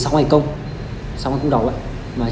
chỉ cần chứng minh thư gốc thôi